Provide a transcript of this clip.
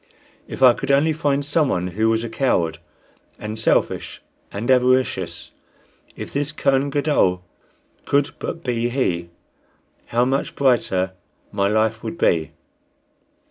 If I could only find someone who was a coward, and selfish and avaricious if this Kohen Gadol could but be he how much brighter my life would be!